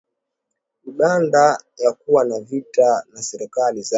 Uganda ya kuwa na vita na serikali za